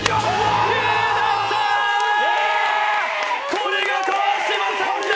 これが川島さんだ！